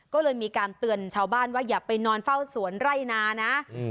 ก็เลยมีการเตือนชาวบ้านว่าอย่าไปนอนเฝ้าสวนไร่นานะ